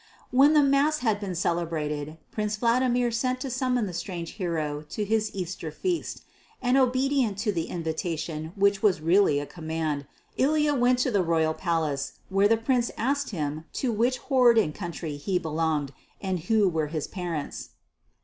When the mass had been celebrated, Prince Vladimir sent to summon the stranger hero to his Easter feast; and obedient to the invitation which was really a command, Ilya went to the royal palace, where the Prince asked him to which horde and country he belonged, and who were his parents.